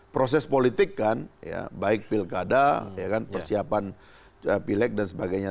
proses politik kan baik pilkada persiapan pileg dan sebagainya